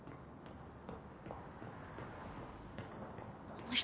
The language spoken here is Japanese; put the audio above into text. あの人